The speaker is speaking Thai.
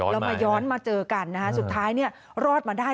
แล้วมาย้อนมาเจอกันนะฮะสุดท้ายรอดมาได้